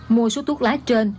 mua số thuốc lá trên